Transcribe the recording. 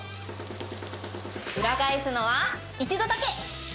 裏返すのは１度だけ！